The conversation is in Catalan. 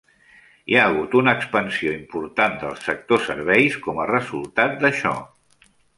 Hi ha hagut una expansió important del sector serveis com a resultat d'això.